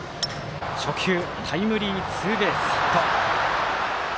初球タイムリーツーベースヒット。